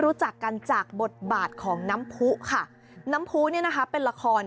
รู้จักกันจากบทบาทของน้ำผู้ค่ะน้ำผู้เนี่ยนะคะเป็นละคร